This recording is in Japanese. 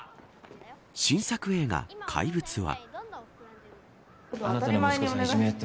新作映画、怪物は。